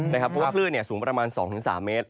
เพราะว่าคลื่นสูงประมาณ๒๓เมตร